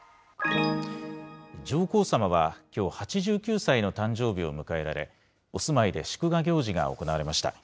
上皇さまはきょう、８９歳の誕生日を迎えられ、お住まいで祝賀行事が行われました。